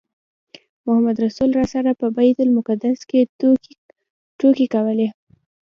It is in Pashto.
محمدرسول راسره په بیت المقدس کې ټوکې کولې.